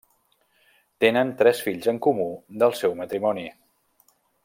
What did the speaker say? Tenen tres fills en comú del seu matrimoni.